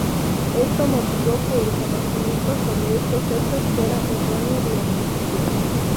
Esto motivó que el conocimiento sobre estos hechos fuera erróneo durante siglos.